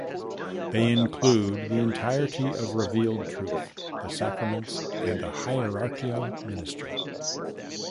They include the entirety of revealed truth, the sacraments and the hierarchical ministry.